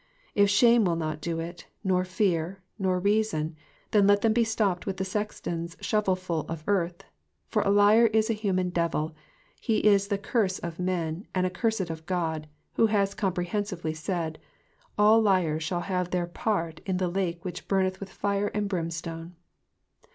If shame will not do it, nor fear, nor reason, then let them oe stopped with the sexton's shovel full of earth ; for a liar is a human devil, he is the curse of men, and accursed of God, who has comprehensively said, all liars shall have their part in the lake which burneth with fire and brimstone.''